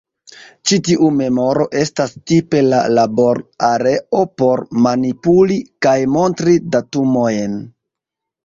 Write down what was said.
Ĉi tiu memoro estas tipe la labor-areo por manipuli kaj montri datumojn.